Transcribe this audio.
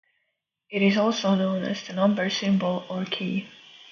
It is also known as the number symbol or key.